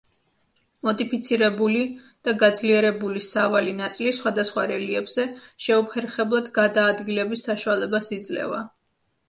მოდიფიცირებული და გაძლიერებული სავალი ნაწილი სხვადასხვა რელიეფზე შეუფერხებლად გადაადგილების საშუალებას იძლევა.